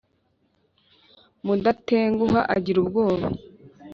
mudatenguha agira ubwoba,